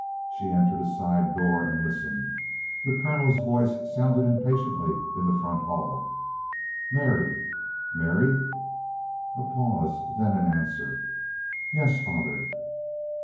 She entered a side door and listened. The Colonel's voice sounded impatiently in the front hall. "Mary! Mary?" A pause, then an answer: "Yes, father!"